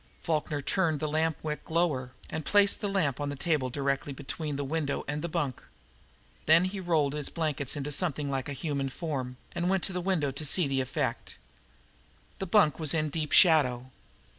Falkner turned the lamp wick lower, and placed the lamp on the table directly between the window and the bunk. Then he rolled his blankets into something like a human form, and went to the window to see the effect. The bunk was in deep shadow.